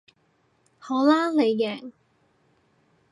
好啦你贏